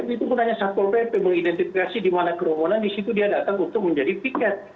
itu pun hanya satpol pp mengidentifikasi di mana kerumunan di situ dia datang untuk menjadi tiket